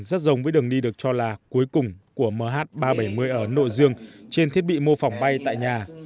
rất giống với đường đi được cho là cuối cùng của mh ba trăm bảy mươi ở ấn độ dương trên thiết bị mô phỏng bay tại nhà